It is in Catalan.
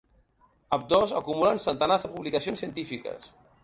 Ambdós acumulen centenars de publicacions científiques.